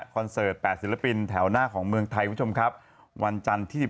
เสิร์ต๘ศิลปินแถวหน้าของเมืองไทยคุณผู้ชมครับวันจันทร์ที่